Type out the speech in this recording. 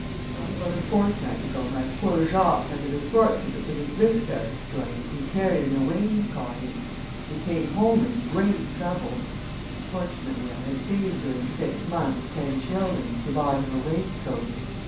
Well, about a fortnight ago, my poor Jacques had the misfortune to put his wrist out of joint, in carrying a wainscoting. He came home in great trouble; fortunately I had saved during six months ten shillings, to buy him a waistcoat.